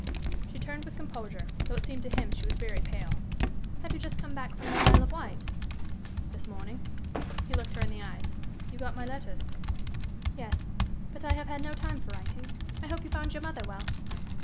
She turned with composure, though it seemed to him she was very pale. "Have you just come back from the Isle of Wight?" "This morning." He looked her in the eyes. "You got my letters?" "Yes, but I have had no time for writing. I hope you found your mother well."